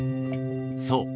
そう。